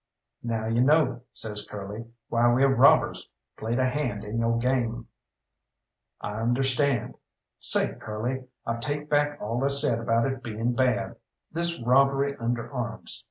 "Now you know," says Curly, "why we robbers played a hand in yo' game." "I understand. Say, Curly, I take back all I said about it being bad this robbery under arms.